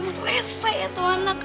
mereseh ya tuan anak